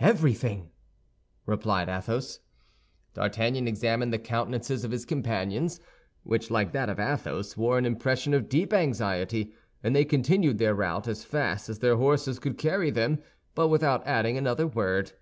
"Everything!" replied Athos. D'Artagnan examined the countenances of his companions, which, like that of Athos, wore an impression of deep anxiety; and they continued their route as fast as their horses could carry them, but without adding another word.